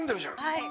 はい。